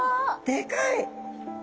でかい。